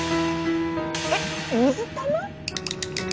えっ水玉？